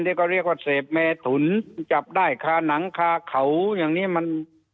เรียกว่าเสพเมถุนจับได้คาหนังคาเขาอย่างนี้มัน